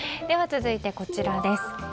続いて、こちらです。